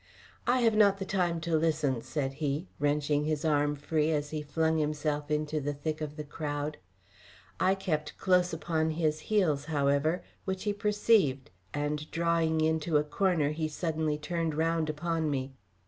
"I have not the time to listen," said he, wrenching his arm free as he flung himself into the thick of the crowd. I kept close upon his heels, however, which he perceived, and drawing into a corner he suddenly turned round upon me.